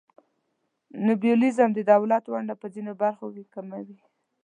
نیولیبرالیزم د دولت ونډه په ځینو برخو کې کموي.